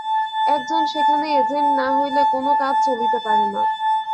একজন সেখানে এজেণ্ট না হইলে কোন কাজ চলিতে পারে না।